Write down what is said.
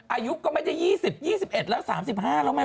อายุก็ไม่ได้หนึ่งสิบแล้วสามสิบห้าละ